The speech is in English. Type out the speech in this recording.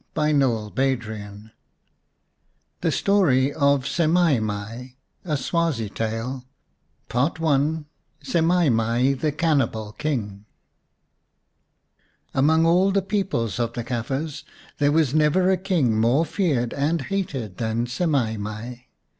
159 XIV THE STORY OF SEMAI MAI A SWAZI TALE PART I SEMAI MAI THE CANNIBAL KING AMONG all the people of the Kafirs there was never a King more feared and hated than Semai mai.